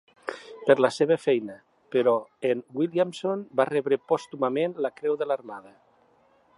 Per la seva feina, però, en Williamson va rebre pòstumament la Creu de l'Armada.